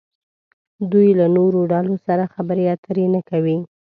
دوی له نورو ډلو سره خبرې اترې نه کوي.